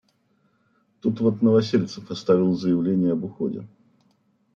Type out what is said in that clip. Тут вот Новосельцев оставил заявление об уходе.